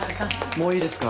もういいですか？